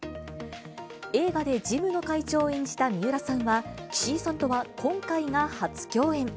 映画でジムの会長を演じた三浦さんは、岸井さんとは今回が初共演。